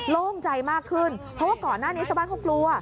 โล่งใจมากขึ้นเพราะว่าก่อนหน้านี้ชาวบ้านเขากลัว